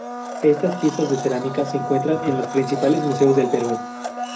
Estas piezas de cerámica se encuentran en los principales museos del Perú.